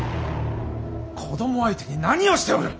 子供相手に何をしておる。